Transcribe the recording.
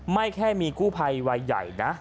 ไม่แค่มีกู้ไพรวัยใหญ่นะ